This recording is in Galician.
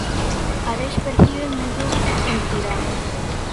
Ares percibe mellora en Tirán.